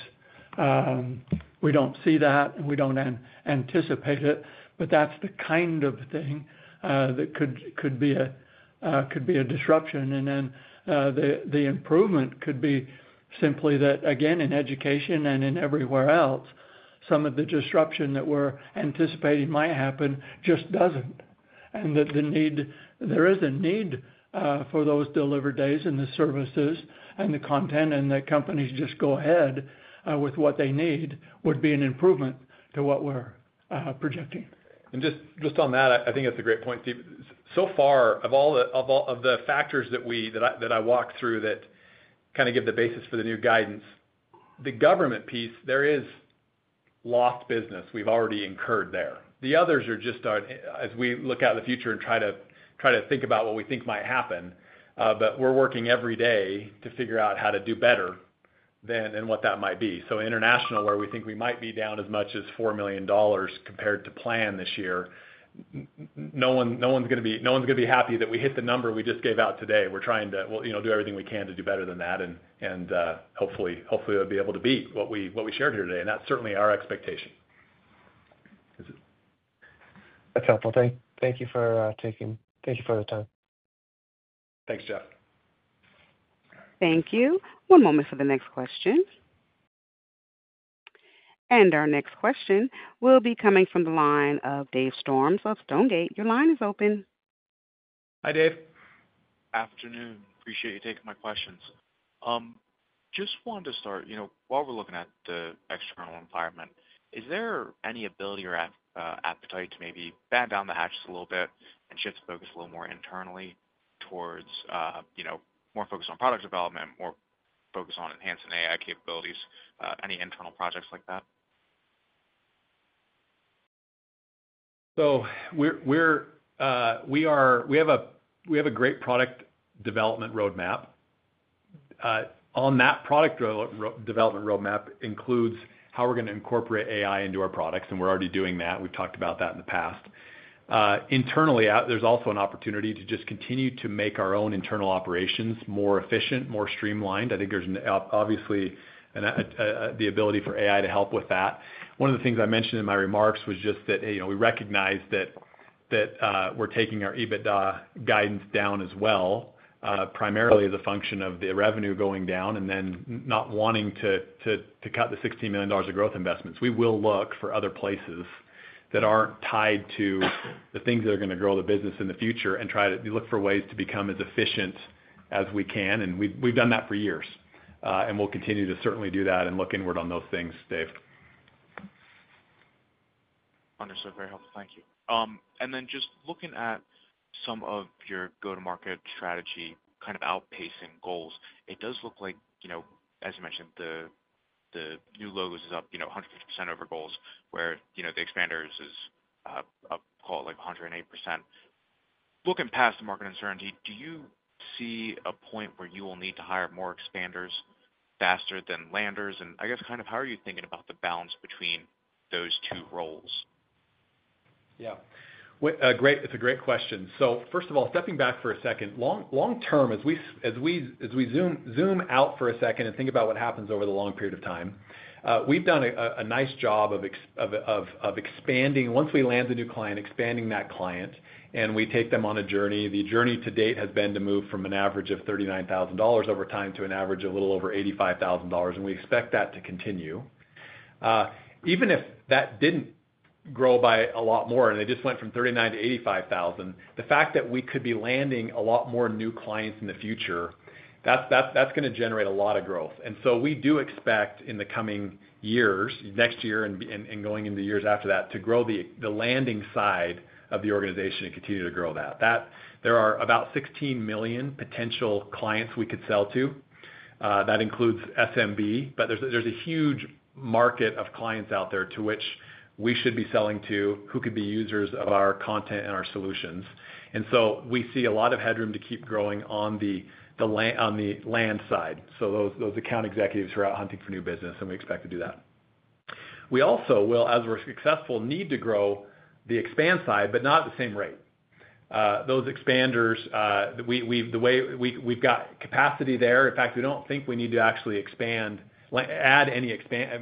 We do not see that, and we do not anticipate it. That is the kind of thing that could be a disruption. The improvement could be simply that, again, in education and in everywhere else, some of the disruption that we are anticipating might happen just does not. There is a need for those delivered days and the services and the content and that companies just go ahead with what they need would be an improvement to what we're projecting. Just on that, I think that's a great point, Steve. So far, of the factors that I walked through that kind of give the basis for the new guidance, the government piece, there is lost business we've already incurred there. The others are just as we look out in the future and try to think about what we think might happen. We're working every day to figure out how to do better than what that might be. International, where we think we might be down as much as $4 million compared to plan this year, no one's going to be happy that we hit the number we just gave out today. We're trying to do everything we can to do better than that. Hopefully, it'll be able to beat what we shared here today. That's certainly our expectation. That's helpful. Thank you for taking the time. Thanks, Jeff. Thank you. One moment for the next question. Our next question will be coming from the line of Dave Storms of Stonegate. Your line is open. Hi, Dave. Good afternoon. Appreciate you taking my questions. Just wanted to start, while we're looking at the external environment, is there any ability or appetite to maybe batten down the hatches a little bit and shift focus a little more internally towards more focus on product development, more focus on enhancing AI capabilities, any internal projects like that? We have a great product development roadmap. On that product development roadmap includes how we're going to incorporate AI into our products. And we're already doing that. We've talked about that in the past. Internally, there's also an opportunity to just continue to make our own internal operations more efficient, more streamlined. I think there's obviously the ability for AI to help with that. One of the things I mentioned in my remarks was just that we recognize that we're taking our EBITDA guidance down as well, primarily as a function of the revenue going down and then not wanting to cut the $16 million of growth investments. We will look for other places that aren't tied to the things that are going to grow the business in the future and try to look for ways to become as efficient as we can. We've done that for years. We will continue to certainly do that and look inward on those things, Dave. Understood. Very helpful. Thank you. Just looking at some of your go-to-market strategy, kind of outpacing goals, it does look like, as you mentioned, the new logo is up 150% over goals, where the expanders is up, call it, 108%. Looking past the market uncertainty, do you see a point where you will need to hire more expanders faster than landers? I guess kind of how are you thinking about the balance between those two roles? Yeah. It's a great question. First of all, stepping back for a second, long-term, as we zoom out for a second and think about what happens over the long period of time, we've done a nice job of expanding. Once we land a new client, expanding that client, and we take them on a journey. The journey to date has been to move from an average of $39,000 over time to an average a little over $85,000. We expect that to continue. Even if that did not grow by a lot more and they just went from $39,000 to $85,000, the fact that we could be landing a lot more new clients in the future, that's going to generate a lot of growth. We do expect in the coming years, next year and going into years after that, to grow the landing side of the organization and continue to grow that. There are about 16 million potential clients we could sell to. That includes SMB, but there's a huge market of clients out there to which we should be selling to who could be users of our content and our solutions. We see a lot of headroom to keep growing on the land side. Those account executives who are out hunting for new business, and we expect to do that. We also will, as we're successful, need to grow the expand side, but not at the same rate. Those expanders, the way we've got capacity there, in fact, we don't think we need to actually add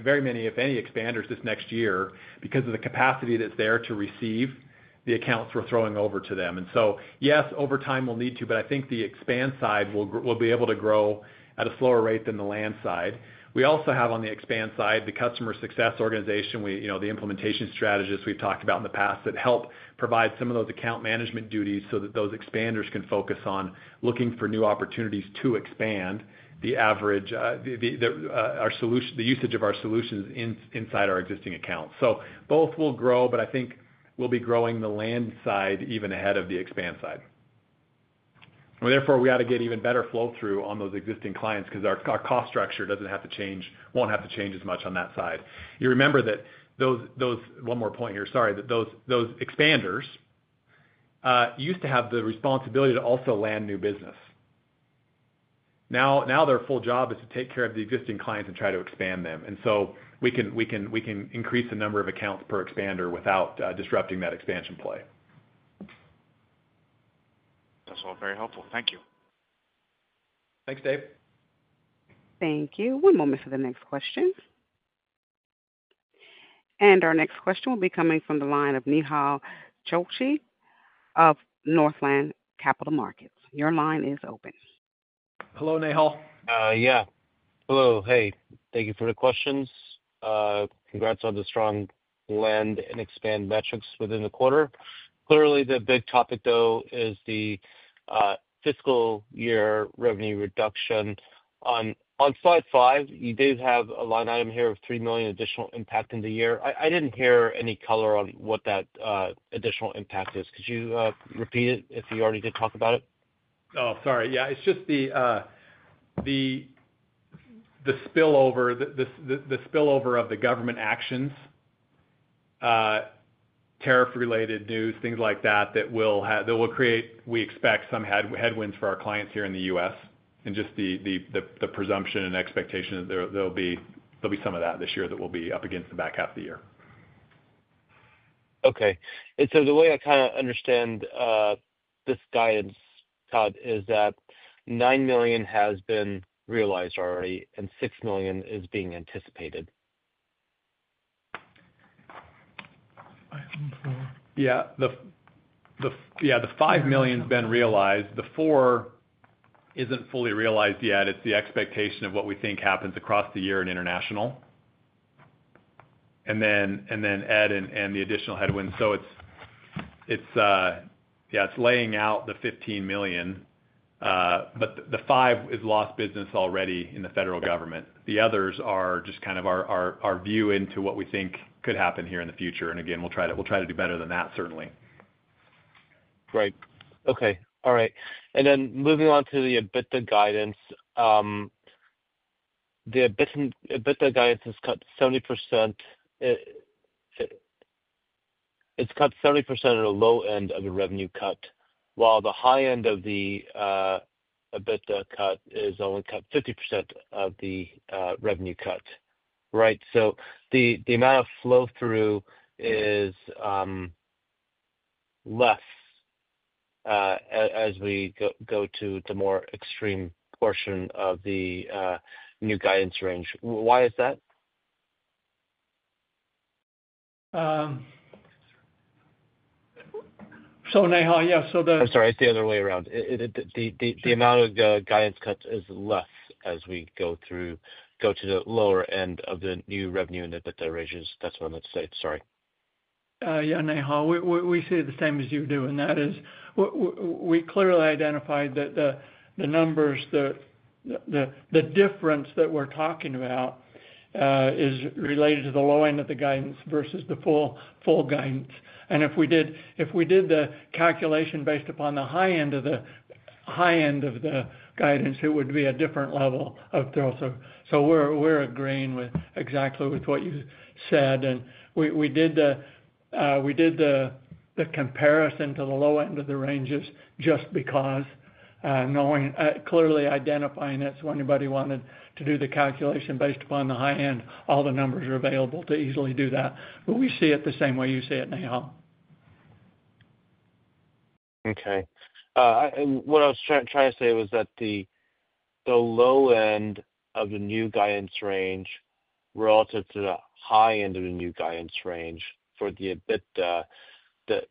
very many, if any, expanders this next year because of the capacity that's there to receive the accounts we're throwing over to them. Yes, over time, we'll need to, but I think the expand side will be able to grow at a slower rate than the land side. We also have on the expand side, the customer success organization, the implementation strategists we've talked about in the past that help provide some of those account management duties so that those expanders can focus on looking for new opportunities to expand the average, the usage of our solutions inside our existing accounts. Both will grow, but I think we'll be growing the land side even ahead of the expand side. Therefore, we ought to get even better flow-through on those existing clients because our cost structure does not have to change, will not have to change as much on that side. You remember that those, one more point here, sorry, that those expanders used to have the responsibility to also land new business. Now their full job is to take care of the existing clients and try to expand them. We can increase the number of accounts per expander without disrupting that expansion play. That's all very helpful. Thank you. Thanks, Dave. Thank you. One moment for the next question. Our next question will be coming from the line of Nehal Chokshi of Northland Capital Markets. Your line is open. Hello, Nihal. Yeah. Hello. Hey. Thank you for the questions. Congrats on the strong land and expand metrics within the quarter. Clearly, the big topic, though, is the fiscal year revenue reduction. On slide five, you did have a line item here of $3 million additional impact in the year. I did not hear any color on what that additional impact is. Could you repeat it if you already did talk about it? Oh, sorry. Yeah. It's just the spillover of the government actions, tariff-related news, things like that that will create, we expect, some headwinds for our clients here in the U.S. and just the presumption and expectation that there'll be some of that this year that will be up against the back half of the year. Okay. The way I kind of understand this guidance, Todd, is that $9 million has been realized already and $6 million is being anticipated. Yeah. The $5 million's been realized. The $4 million isn't fully realized yet. It's the expectation of what we think happens across the year in international and then add in the additional headwinds. Yeah, it's laying out the $15 million, but the $5 million is lost business already in the federal government. The others are just kind of our view into what we think could happen here in the future. Again, we'll try to do better than that, certainly. Right. Okay. All right. And then moving on to the EBITDA guidance, the EBITDA guidance has cut 70%. It's cut 70% of the low end of the revenue cut, while the high end of the EBITDA cut is only cut 50% of the revenue cut. Right? So the amount of flow-through is less as we go to the more extreme portion of the new guidance range. Why is that? Nihal, yeah, so the. I'm sorry. It's the other way around. The amount of guidance cut is less as we go to the lower end of the new revenue and EBITDA ranges. That's what I meant to say. Sorry. Yeah, Nihal. We see the same as you do. That is, we clearly identified that the numbers, the difference that we're talking about is related to the low end of the guidance versus the full guidance. If we did the calculation based upon the high end of the guidance, it would be a different level of thrill. We are agreeing exactly with what you said. We did the comparison to the low end of the ranges just because clearly identifying that. Anybody wanting to do the calculation based upon the high end, all the numbers are available to easily do that. We see it the same way you see it, Nihal. Okay. What I was trying to say was that the low end of the new guidance range relative to the high end of the new guidance range for the EBITDA, the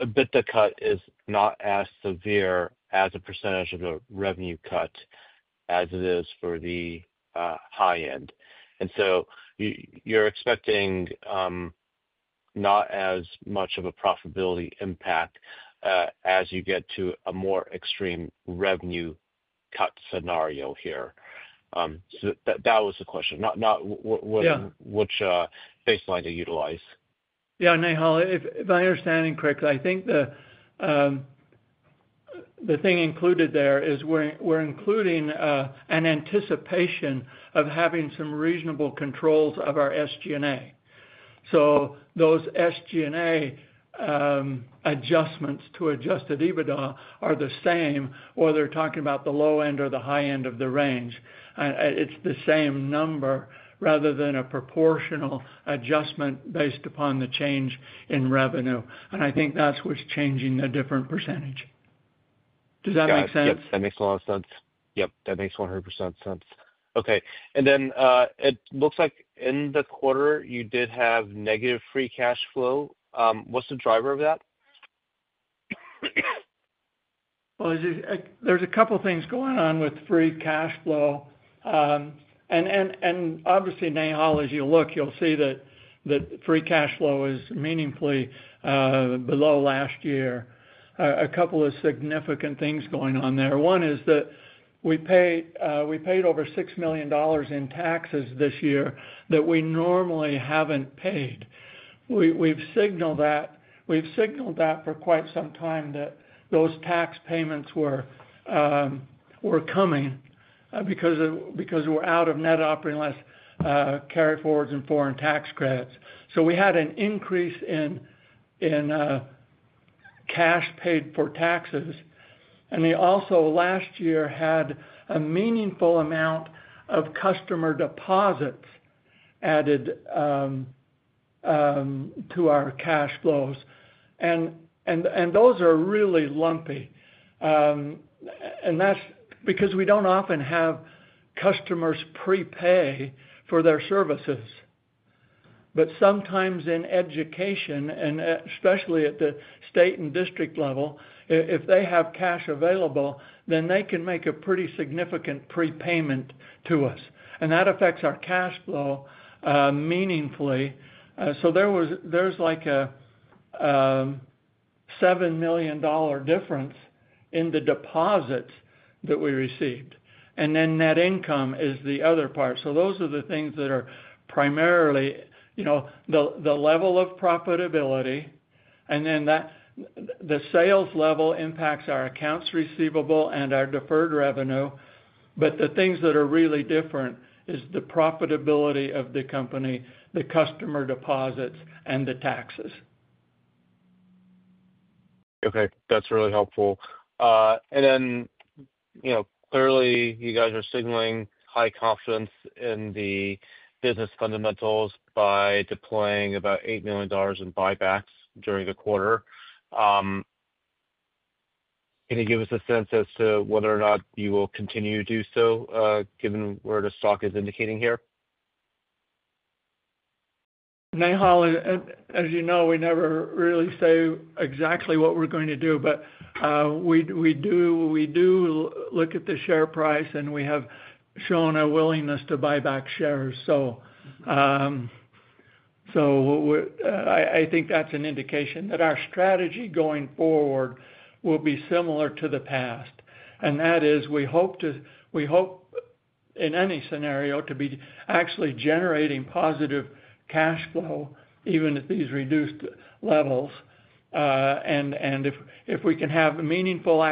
EBITDA cut is not as severe as a percentage of the revenue cut as it is for the high end. You are expecting not as much of a profitability impact as you get to a more extreme revenue cut scenario here. That was the question, not which baseline to utilize. Yeah, Nihal, if I'm understanding correctly, I think the thing included there is we're including an anticipation of having some reasonable controls of our SG&A. So those SG&A adjustments to adjusted EBITDA are the same, whether they're talking about the low end or the high end of the range. It's the same number rather than a proportional adjustment based upon the change in revenue. I think that's what's changing the different percentage. Does that make sense? That makes a lot of sense. Yep. That makes 100% sense. Okay. It looks like in the quarter, you did have negative free cash flow. What's the driver of that? There is a couple of things going on with free cash flow. Obviously, Nihal, as you look, you will see that free cash flow is meaningfully below last year. A couple of significant things going on there. One is that we paid over $6 million in taxes this year that we normally have not paid. We have signaled that for quite some time that those tax payments were coming because we are out of net operating loss carry forwards and foreign tax credits. We had an increase in cash paid for taxes. They also, last year, had a meaningful amount of customer deposits added to our cash flows. Those are really lumpy. That is because we do not often have customers prepay for their services. Sometimes in education, and especially at the state and district level, if they have cash available, then they can make a pretty significant prepayment to us. That affects our cash flow meaningfully. There is like a $7 million difference in the deposits that we received. Net income is the other part. Those are the things that are primarily the level of profitability. The sales level impacts our accounts receivable and our deferred revenue. The things that are really different are the profitability of the company, the customer deposits, and the taxes. Okay. That's really helpful. Clearly, you guys are signaling high confidence in the business fundamentals by deploying about $8 million in buybacks during the quarter. Can you give us a sense as to whether or not you will continue to do so given where the stock is indicating here? Nihal, as you know, we never really say exactly what we're going to do, but we do look at the share price, and we have shown a willingness to buy back shares. I think that's an indication that our strategy going forward will be similar to the past. That is we hope in any scenario to be actually generating positive cash flow, even at these reduced levels. If we can have meaningful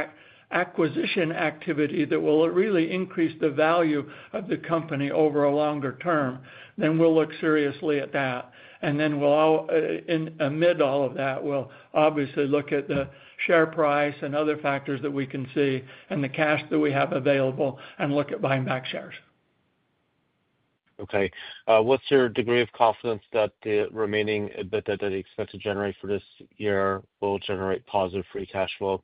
acquisition activity that will really increase the value of the company over a longer term, then we'll look seriously at that. Amid all of that, we'll obviously look at the share price and other factors that we can see and the cash that we have available and look at buying back shares. Okay. What's your degree of confidence that the remaining EBITDA that you expect to generate for this year will generate positive free cash flow?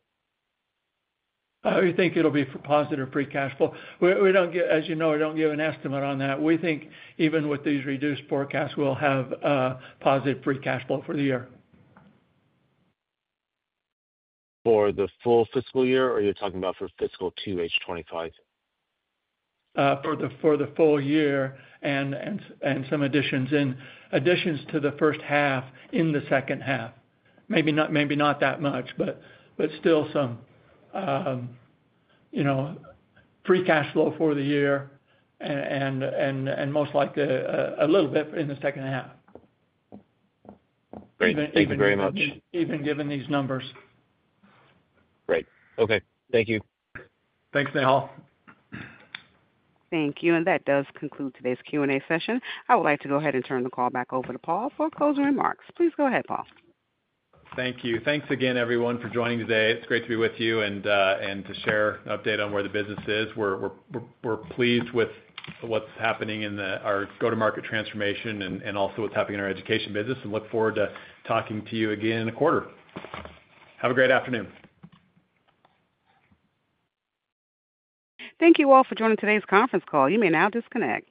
I think it'll be for positive free cash flow. As you know, we don't give an estimate on that. We think even with these reduced forecasts, we'll have positive free cash flow for the year. For the full fiscal year, or are you talking about for fiscal 2H25? For the full year and some additions to the first half in the second half. Maybe not that much, but still some free cash flow for the year and most likely a little bit in the second half. Great. Thank you very much. Even given these numbers. Great. Okay. Thank you. Thanks, Nihal. Thank you. That does conclude today's Q&A session. I would like to go ahead and turn the call back over to Paul for closing remarks. Please go ahead, Paul. Thank you. Thanks again, everyone, for joining today. It's great to be with you and to share an update on where the business is. We're pleased with what's happening in our go-to-market transformation and also what's happening in our education business. I look forward to talking to you again in the quarter. Have a great afternoon. Thank you all for joining today's conference call. You may now disconnect.